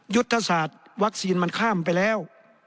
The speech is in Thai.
ยุทธศาสตร์วัคซีนมันข้ามไปแล้ว